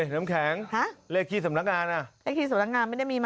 น้ำแข็งเลขที่สำนักงานน่ะมีบอกไหมโอ้โหทำไมไม่มีอ่ะ